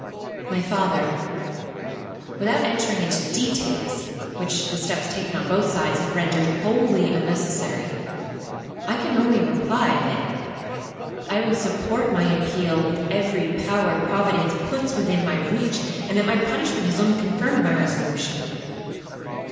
'—'My father, without entering into details, which the steps taken on both sides have rendered wholly unnecessary, I can only reply, that I will support my appeal with every power Providence puts within my reach, and that my punishment has only confirmed my resolution.'